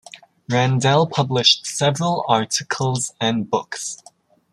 Randell published several articles and books.